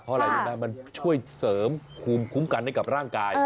เพราะอะไรมันช่วยเสริมคุ้มกันได้กับร่างกาย